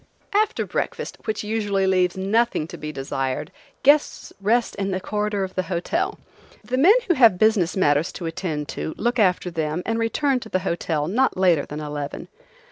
After breakfast, which usually leaves nothing to be desired, guests rest in the corridor of the hotel; the men who have business matters to attend to look after them and return to the hotel not later than eleven.